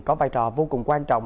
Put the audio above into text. có vai trò vô cùng quan trọng